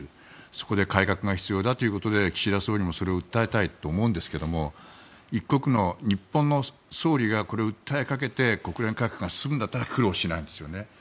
そこで改革が必要だということで岸田総理もそれを訴えたいということだと思うんですが一国の日本の総理がこれを訴えかけて国連改革が進むんだったら苦労しないんですよね。